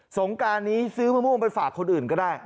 งการนี้ซื้อมะม่วงไปฝากคนอื่นก็ได้